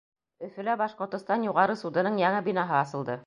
Өфөлә Башҡортостан Юғары судының яңы бинаһы асылды.